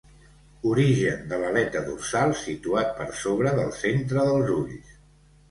Origen de l'aleta dorsal situat per sobre del centre dels ulls.